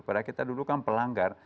padahal kita dulu kan pelanggar